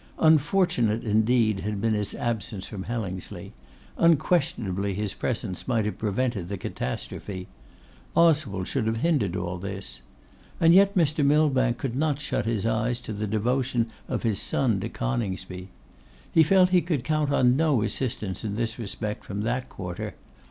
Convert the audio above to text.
Unfortunate, indeed, had been his absence from Hellingsley; unquestionably his presence might have prevented the catastrophe. Oswald should have hindered all this. And yet Mr. Millbank could not shut his eyes to the devotion of his son to Coningsby. He felt he could count on no assistance in this respect from that quarter.